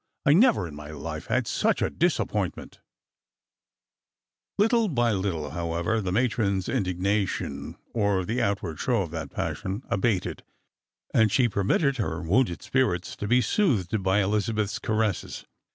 I never in my life had such a dis appointment," Little by little, however, the matron's indignation, or the out ward show of that passion, abated, and she permitted her wounded spirits to be soothed by Elizabeth's caresses.